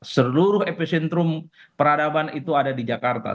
seluruh epicentrum peradaban itu ada di jakarta